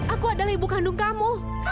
aku adalah ibu kandung kamu